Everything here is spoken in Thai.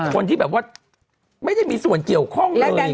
คนที่แบบว่าไม่ได้มีส่วนเกี่ยวข้องได้ไง